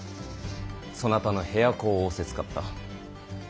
そなたの部屋子を仰せつかった。